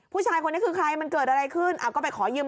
ผู้ชายคนนี้คือใครมันเกิดอะไรขึ้นก็ไปขอยืม